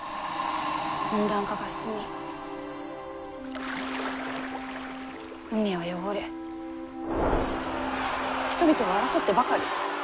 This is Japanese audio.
温暖化が進み海は汚れ人々は争ってばかり。